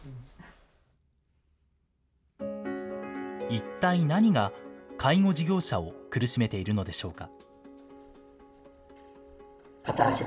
一体何が、介護事業者を苦しめているのでしょうか。